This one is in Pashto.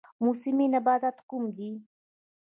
موسمي نباتات کوم دي؟